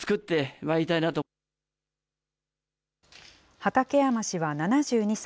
畠山氏は７２歳。